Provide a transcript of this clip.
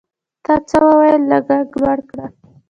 تا څه وویل ؟ لږ ږغ لوړ کړه !